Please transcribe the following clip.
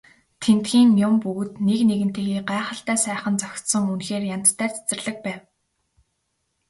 Тэндхийн юм бүгд нэг нэгэнтэйгээ гайхалтай сайхан зохицсон үнэхээр янзтай цэцэрлэг байв.